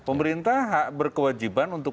pemerintah berkewajiban untuk